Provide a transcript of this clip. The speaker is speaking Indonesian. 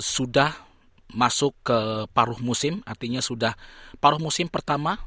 sudah masuk ke paruh musim artinya sudah paruh musim pertama